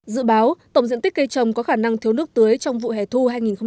dự báo tổng diện tích cây trồng có khả năng thiếu nước tưới trong vụ hẻ thu hai nghìn hai mươi